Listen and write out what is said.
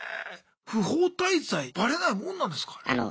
不法滞在バレないもんなんですかあれ。